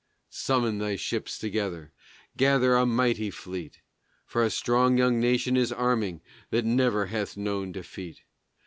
Summon thy ships together, gather a mighty fleet! For a strong young nation is arming that never hath known defeat.